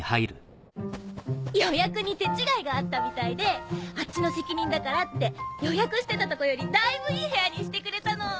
予約に手違いがあったみたいであっちの責任だからって予約してたとこよりだいぶいい部屋にしてくれたの。